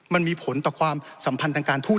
มันมีผลต่อความสัมพันธ์ทางการทูต